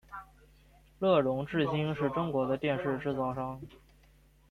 乐融致新是中国的电视制造商。